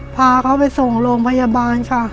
พาเขาไปส่งโรงพยาบาลค่ะ